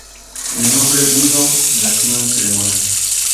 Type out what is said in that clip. De nombre Guido, nació en Cremona.